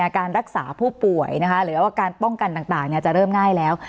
การรักษาผู้ป่วยหรือว่าการป้องกันต่างจะเริ่มง่ายแล้ว